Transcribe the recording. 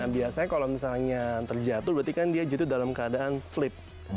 biasanya kalau misalnya terjatuh berarti kan dia jatuh dalam keadaan sleep